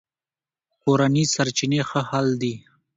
کورني سرچینې ښه حل دي.